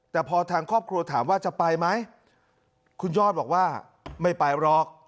แต่พอทางครอบครัวถามว่าจะไปไหมคุณยอดบอกว่าไม่ไปหรอก